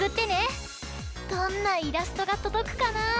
どんなイラストがとどくかなあ？